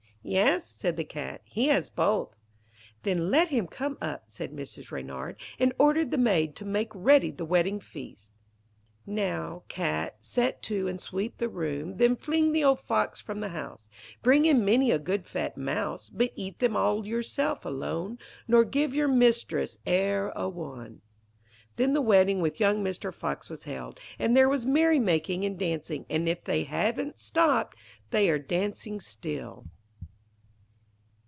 'Yes,' said the Cat. 'He has both.' 'Then let him come up,' said Mrs. Reynard, and ordered the maid to make ready the wedding feast. 'Now, Cat, set to and sweep the room. Then fling the old Fox from the house; Bring in many a good fat mouse, But eat them all yourself alone, Nor give your mistress e'er a one.' Then the wedding with young Mr. Fox was held, and there was merry making and dancing, and if they haven't stopped, they are dancing still.